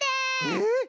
えっ？